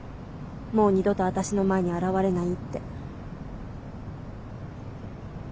もう二度と私の前に現れないって。